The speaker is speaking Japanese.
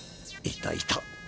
いたいた。